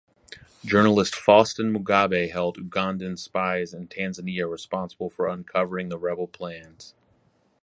Journalist Faustin Mugabe held Ugandan spies in Tanzania responsible for uncovering the rebel plans.